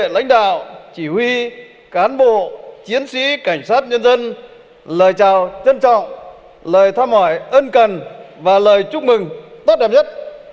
lãnh đạo chỉ huy cán bộ chiến sĩ cảnh sát nhân dân lời chào trân trọng lời thăm hỏi ân cần và lời chúc mừng tốt đẹp nhất